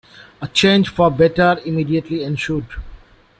A change for the better immediately ensued.